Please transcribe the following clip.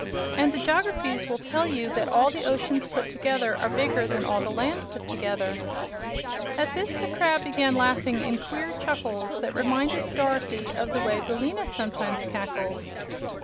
And the joggerfys will tell you that all the oceans put together are bigger than all the land put together." At this the crab began laughing in queer chuckles that reminded Dorothy of the way Billina sometimes cackled.